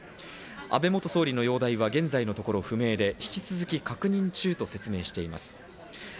安倍元総理の容体は現在のところ不明で、引き続き確認中と説明しています。